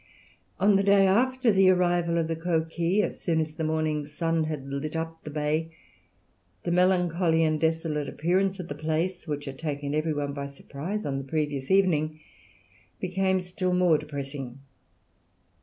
On the day after the arrival of the Coquille, as soon as the morning sun had lit up the bay, the melancholy and desolate appearance of the place, which had taken every one by surprise on the previous evening, became still more depressing.